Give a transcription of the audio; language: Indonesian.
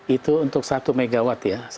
itu untuk satu megawatt ya